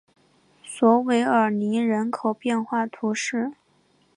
索韦尔尼人口变化图示